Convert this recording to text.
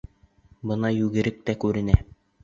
Бына йүгерек тә күренә.